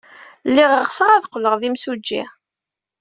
Lliɣ ɣseɣ ad qqleɣ d imsujji.